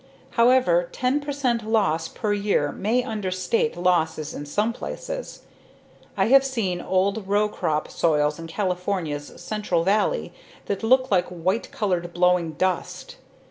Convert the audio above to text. However, 10 percent loss per year may understate losses in some places. I have seen old row crop soils in California's central valley that look like white colored blowing dust.